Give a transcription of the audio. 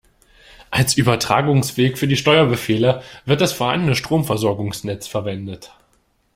Als Übertragungsweg für die Steuerbefehle wird das vorhandene Stromversorgungsnetz verwendet.